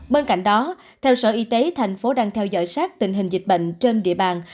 bên cạnh đó theo sở y tế thành phố đang theo dõi sát tình hình dịch bệnh trên địa bàn